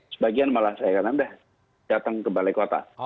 sebagian malah saya karena sudah datang ke balai kota